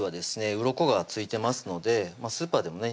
うろこが付いてますのでスーパーでもね